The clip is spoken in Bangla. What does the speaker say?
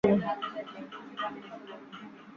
এবং আমার ভবিষ্যদ্বাণী কখনও ভুল হয় না।